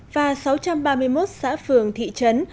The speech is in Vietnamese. và sáu trăm ba mươi một xã phường thị trấn